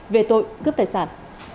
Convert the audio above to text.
về tội cướp tài sản